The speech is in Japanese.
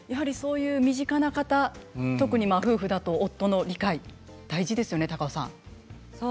そういう身近な方夫婦だと、夫の理解は大事ですよね。